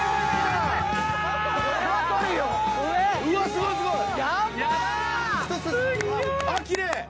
すごいすごい！奇麗！